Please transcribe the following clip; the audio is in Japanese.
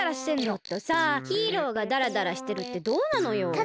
ちょっとさあヒーローがだらだらしてるってどうなのよ？